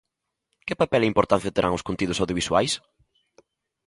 Que papel e importancia terán os contidos audiovisuais?